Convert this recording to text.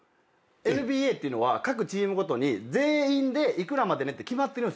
ＮＢＡって各チームごとに全員で幾らまでねって決まってるんですよ。